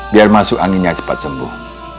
biar masuk anginnya cepat sembuh